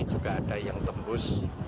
juga ada yang tembus